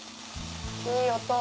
いい音。